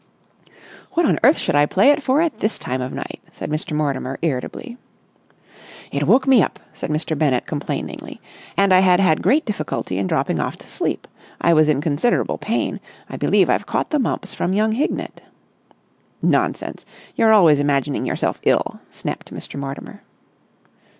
"What on earth should I play it for at this time of night?" said Mr. Mortimer irritably. "It woke me up," said Mr. Bennett complainingly. "And I had had great difficulty in dropping off to sleep. I was in considerable pain. I believe I've caught the mumps from young Hignett." "Nonsense! You're always imagining yourself ill," snapped Mr. Mortimer.